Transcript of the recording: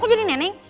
kok jadi neneng